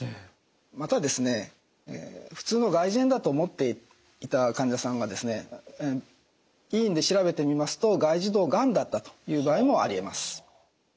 また普通の外耳炎だと思っていた患者さんが医院で調べてみますと外耳道がんだったという場合もありえます。